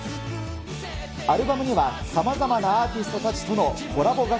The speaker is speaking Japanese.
アルバムにはさまざまなアーティストたちとのコラボ